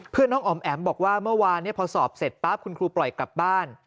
น้องอ๋อมแอ๋มบอกว่าเมื่อวานพอสอบเสร็จปั๊บคุณครูปล่อยกลับบ้าน